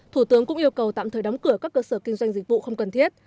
thủ tướng cũng yêu cầu tạm thời đóng cửa các cơ sở kinh doanh dịch vụ không cần thiết